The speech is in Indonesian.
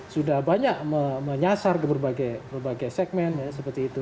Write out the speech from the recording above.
sudah banyak menyasar ke berbagai segmen seperti itu